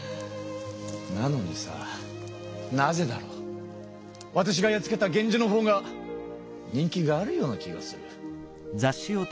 なのにさあなぜだろう？わたしがやっつけた源氏のほうが人気があるような気がする。